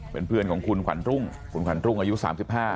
เป็นเพื่อนของคุณขวัญรุ่งคุณขวัญรุ่งอายุ๓๕